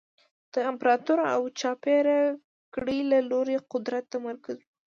د امپراتور او چاپېره کړۍ له لوري د قدرت تمرکز و